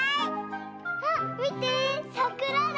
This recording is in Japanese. あっみてさくらだ！